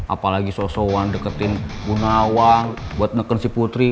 apalagi sow sowan deketin bu nawang buat ngeken si putri